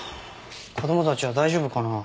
子供たちは大丈夫かな。